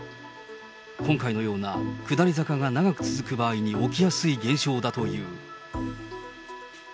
今回のような下り坂が長く続く場合に起きやすい現象だという。